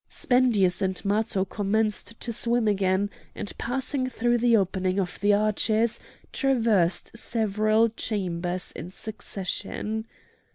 Spendius and Matho commenced to swim again, and passing through the opening of the arches, traversed several chambers in succession.